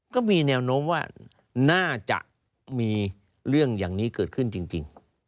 ก็มีแนวโน้มว่าน่าจะมีเรื่องอย่างนี้เกิดขึ้นจริง